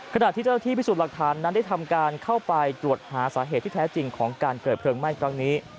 ขณะที่เจ้าที่พิสูจน์หลักฐานนั้นได้ทำการเข้าไปตรวจหาสาเหตุที่แท้จริงของการเกิดเพลิงไหม้ครั้งนี้